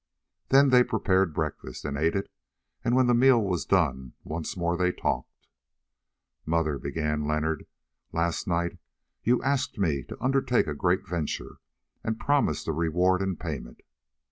Then they prepared breakfast, and ate it, and when the meal was done once more they talked. "Mother," began Leonard, "last night you asked me to undertake a great venture, and promised a reward in payment.